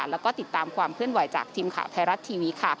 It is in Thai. แล้วก็ติดตามความเคลื่อนไหวจากทีมข่าวไทยรัฐทีวีค่ะ